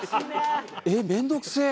えっ面倒くせえ。